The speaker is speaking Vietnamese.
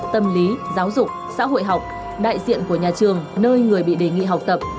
tâm lý giáo dục xã hội học đại diện của nhà trường nơi người bị đề nghị học tập